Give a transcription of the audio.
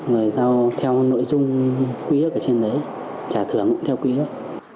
rồi sau theo nội dung quý ước ở trên đấy trả thưởng cũng theo quý ước